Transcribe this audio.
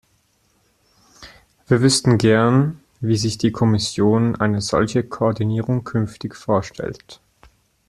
Wir wüssten gern, wie sich die Kommission eine solche Koordinierung künftig vorstellt.